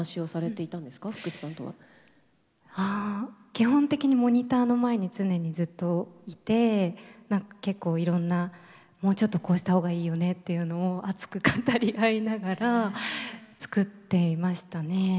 基本的にモニターの前に常にずっといて何か結構いろんな「もうちょっとこうした方がいいよね」っていうのを熱く語り合いながら作っていましたね。